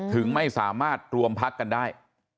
ถึงไม่สามารถรวมพักกันได้